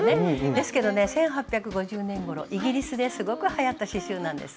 ですけどね１８５０年ごろイギリスですごくはやった刺しゅうなんです。